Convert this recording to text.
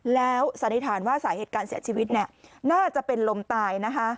แล้วสันนิษฐานว่าสาเหตุการเสียชีวิตน่าจะเป็นลมตายนะคะ